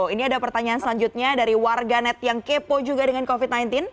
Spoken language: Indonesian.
ini ada pertanyaan selanjutnya dari warganet yang kepo juga dengan covid sembilan belas